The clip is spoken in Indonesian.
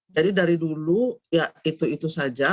jadi dari dulu ya itu itu saja